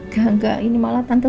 gak gak ini malah tante